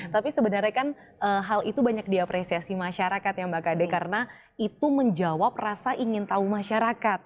tapi sebenarnya kan hal itu banyak diapresiasi masyarakat ya mbak kade karena itu menjawab rasa ingin tahu masyarakat